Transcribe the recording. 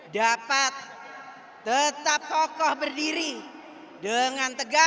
dapat tetap kokoh berdiri dengan tegas